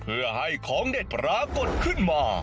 เพื่อให้ของเด็ดปรากฏขึ้นมา